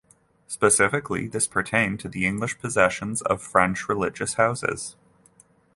Specifically, this pertained to the English possessions of French religious houses.